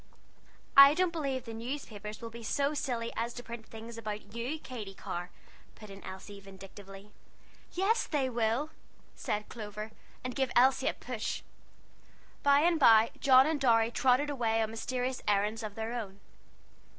"I don't believe the newspapers would be so silly as to print things about you, Katy Carr," put in Elsie, vindictively. "Yes they will!" said Clover; and gave Elsie a push. By and by John and Dorry trotted away on mysterious errands of their own.